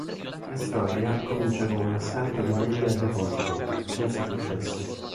La storia comincia con un assalto di Amelia al deposito, ma senza successo.